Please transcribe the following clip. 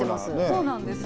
そうなんですよ。